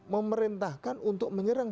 memerintahkan untuk menyerang